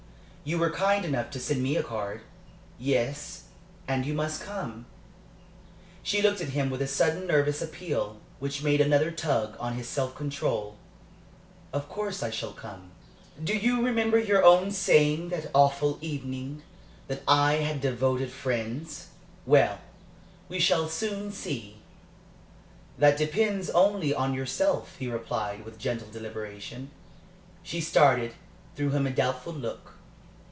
"You were kind enough to send me a card." "Yes and you must come?" She looked at him with a sudden nervous appeal, which made another tug on his self control. "Of course I shall come." "Do you remember your own saying that awful evening that I had devoted friends? Well, we shall soon see." "That depends only on yourself," he replied, with gentle deliberation. She started threw him a doubtful look.